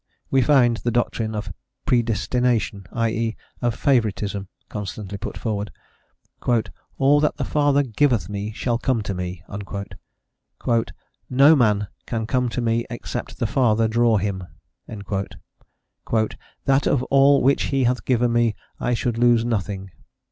We find the doctrine of predestination, i.e., of favouritism, constantly put forward. "All that the Father giveth me shall come to me." "No man can come to me except the Father draw him." "That of all which He hath given me I should lose nothing."